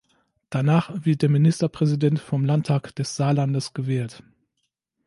Danach wird der Ministerpräsident vom Landtag des Saarlandes gewählt.